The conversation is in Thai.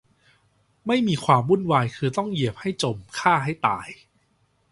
ไม่มีความวุ่นวาย คือต้องเหยียบให้จม ฆ่าให้ตาย